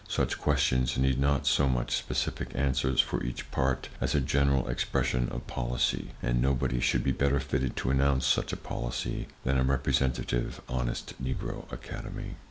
Such questions need not so much specific answers for each part as a general expression of policy, and nobody should be better fitted to announce such a policy than a representative honest Negro Academy.